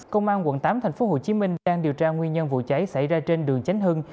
công an quận tám tp hcm đang điều tra nguyên nhân vụ cháy xảy ra trên đường chánh hưng